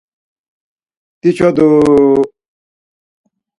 Diçoduu...